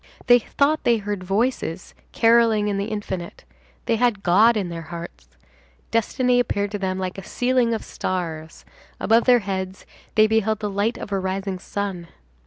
They thought they heard voices carolling in the infinite; they had God in their hearts; destiny appeared to them like a ceiling of stars; above their heads they beheld the light of a rising sun.